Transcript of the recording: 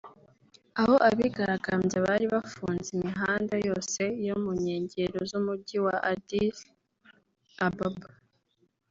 aho abigaragambya bari bafunze imihanda yose yo mu nkengero z’umujyi wa Addis Ababa